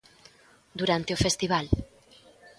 Durante o festival.